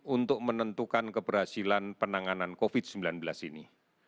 untuk menentukan keberhasilan penanganan covid sembilan belas ini